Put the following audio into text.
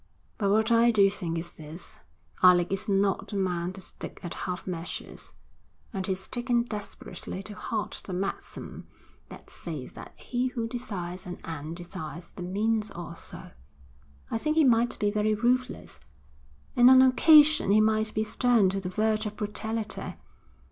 But what I do think is this: Alec is not the man to stick at half measures, and he's taken desperately to heart the maxim which says that he who desires an end desires the means also. I think he might be very ruthless, and on occasion he might be stern to the verge of brutality.